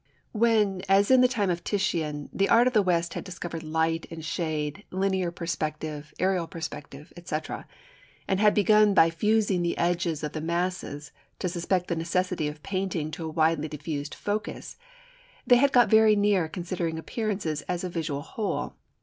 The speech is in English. When, as in the time of Titian, the art of the West had discovered light and shade, linear perspective, aerial perspective, &c., and had begun by fusing the edges of the masses to suspect the necessity of painting to a widely diffused focus, they had got very near considering appearances as a visual whole.